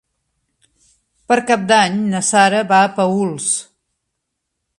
Per Cap d'Any na Sara va a Paüls.